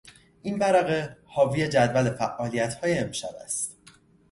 این ورقه حاوی جدول فعالیتهای امشب است.